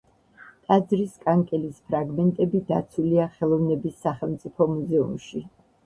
ტაძრის კანკელის ფრაგმენტები დაცულია ხელოვნების სახელმწიფო მუზეუმში.